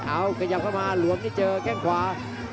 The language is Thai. เอาขยับเข้ามาหลวมนี่เจอแข้งขวา